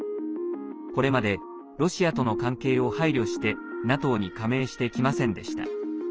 これまでロシアとの関係を配慮してＮＡＴＯに加盟してきませんでした。